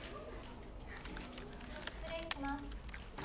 ・失礼します。